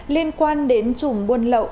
liên quan đến chủng buôn lậu